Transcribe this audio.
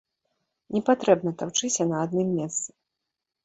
Не патрэбна таўчыся на адным месцы.